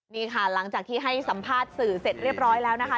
นี่ค่ะหลังจากที่ให้สัมภาษณ์สื่อเสร็จเรียบร้อยแล้วนะคะ